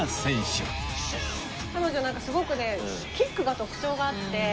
彼女なんかすごくねキックが特徴があって。